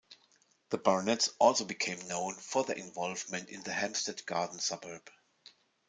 The Barnetts also became known for their involvement in the Hampstead Garden Suburb.